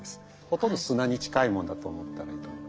ほとんど砂に近いものだと思ったらいいと思う。